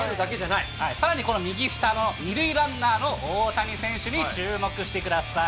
さらにこの右下の２塁ランナーの大谷選手に注目してください。